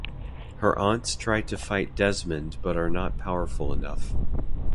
Her aunts try to fight Desmond but are not powerful enough.